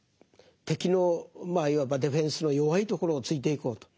敵のまあいわばディフェンスの弱いところをついていこうと。